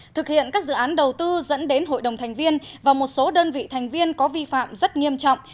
thực hiện các dự án đầu tư dẫn đến hội đồng thành viên và một số đơn vị thành viên có vi phạm rất nghiêm trọng